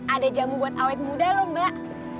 ada jamu buat awet muda lho mbak